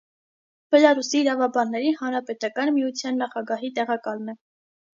Բելառուսի իրավաբանների հանրապետական միության նախագահի տեղակալն է։